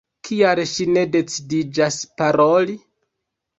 Kial ŝi ne decidiĝas paroli?